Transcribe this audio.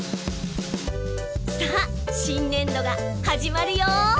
さあ新年度がはじまるよ！